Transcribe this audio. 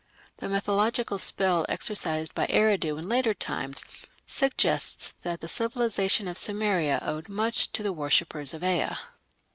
The mythological spell exercised by Eridu in later times suggests that the civilization of Sumeria owed much to the worshippers of Ea.